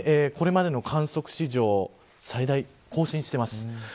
これまでの観測史上最大を更新してます。